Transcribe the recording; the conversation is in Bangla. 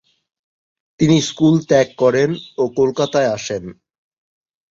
তিনি স্কুল ত্যাগ করেন ও কলকাতায় আসেন।